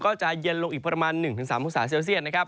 ก็จะเย็นลงอีกประมาณ๑๓องศาเซลเซียส